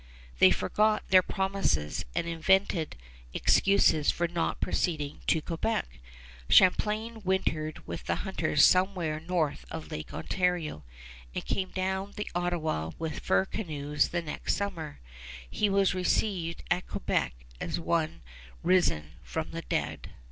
They forgot their promises and invented excuses for not proceeding to Quebec. Champlain wintered with the hunters somewhere north of Lake Ontario, and came down the Ottawa with the fur canoes the next summer. He was received at Quebec as one risen from the dead.